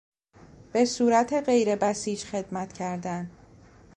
به صورت غیر بسیج خدمت کردن